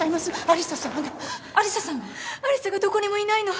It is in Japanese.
有沙がどこにもいないの！